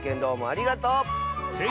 ありがとう！